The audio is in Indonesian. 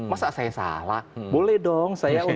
masa saya salah boleh dong